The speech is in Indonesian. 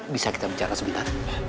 bisa kita bicara sebentar